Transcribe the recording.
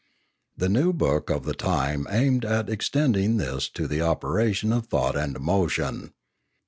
The new book of the time aimed at extending this to the operations of thought and emotion.